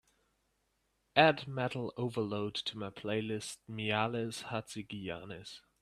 Add Metal Overload to my playlist Mihalis Hatzigiannis